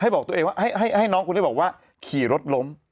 บอกว่าให้น้องคุณมาขี่รถล้ม